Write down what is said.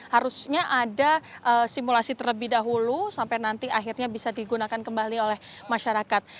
harusnya ada simulasi terlebih dahulu sampai nanti akhirnya bisa digunakan kembali oleh masyarakat